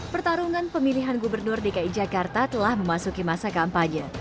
pertarungan pemilihan gubernur dki jakarta telah memasuki masa kampanye